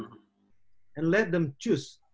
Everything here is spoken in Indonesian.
dan biarkan mereka memilih